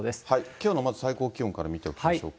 きょうのまず最高気温から見ておきましょうか。